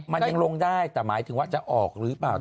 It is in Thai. มันยังลงได้แต่หมายถึงว่าจะออกหรือเปล่า